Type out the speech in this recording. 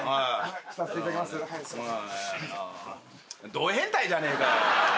ど変態じゃねえかよ。